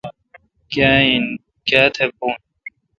کیا تہ بون،،؟